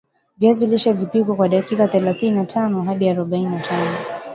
viazi lishe vipikwe kwa dakika thelathini na tano hadi arobaini na tano